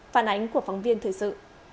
phản ánh của phóng viên thời sự